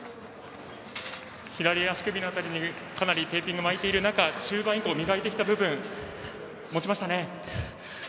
左足首の辺りにかなりテーピングを巻いている中中盤以降、磨いてきた部分持ちましたね。